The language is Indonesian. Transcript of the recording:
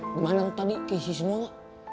gimana tadi keisi semua gak